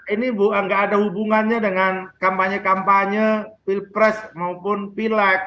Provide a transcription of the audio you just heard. ini nggak ada hubungannya dengan kampanye kampanye pilpres maupun pileg